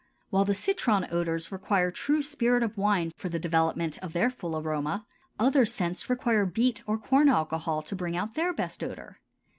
While the citron odors require true spirit of wine for the development of their full aroma, other scents require beet or corn alcohol to bring out their best odor.